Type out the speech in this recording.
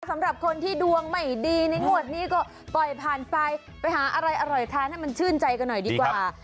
สำหรับคนที่ดวงไม่ดีในงวดนี้ก็ปล่อยผ่านไปไปหาอะไรอร่อยทานให้มันชื่นใจกันหน่อยดีกว่า